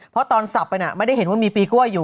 เพราะตอนสับไปน่ะไม่ได้เห็นว่ามีปีกล้วยอยู่